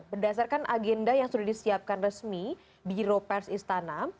berdasarkan agenda yang sudah disiapkan resmi di ropers istana